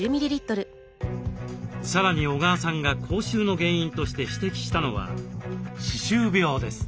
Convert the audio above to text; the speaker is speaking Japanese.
さらに小川さんが口臭の原因として指摘したのは歯周病です。